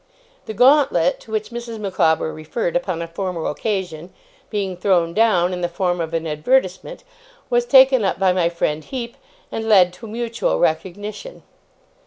The gauntlet, to which Mrs. Micawber referred upon a former occasion, being thrown down in the form of an advertisement, was taken up by my friend Heep, and led to a mutual recognition.